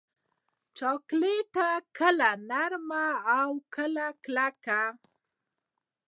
چاکلېټ کله نرم وي، کله کلک.